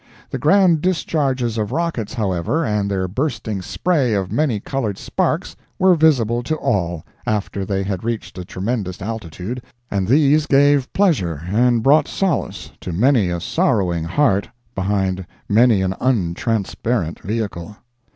The grand discharges of rockets, however, and their bursting spray of many colored sparks, were visible to all, after they had reached a tremendous altitude, and these gave pleasure and brought solace to many a sorrowing heart behind many an untransparent vehicle.